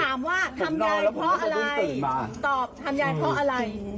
ถามว่าทำยายเพราะอะไรตอบทำยายเพราะอะไร